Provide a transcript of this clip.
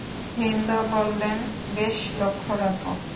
হিন্দ বললেন, বেশ লক্ষ্য রাখব।